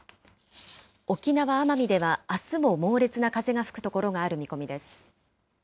沖縄・奄美ではあすも猛烈な風が吹く所がある見込みです。